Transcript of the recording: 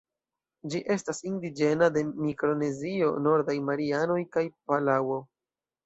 Ĝi estas indiĝena de Mikronezio, Nordaj Marianoj kaj Palaŭo.